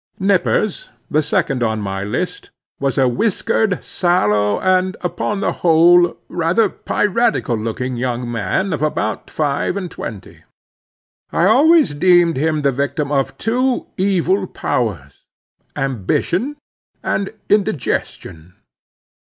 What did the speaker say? Nippers, the second on my list, was a whiskered, sallow, and, upon the whole, rather piratical looking young man of about five and twenty. I always deemed him the victim of two evil powers—ambition and indigestion.